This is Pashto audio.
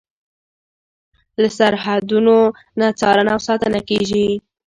له سرحدونو نه څارنه او ساتنه کیږي.